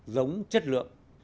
giống chất lượng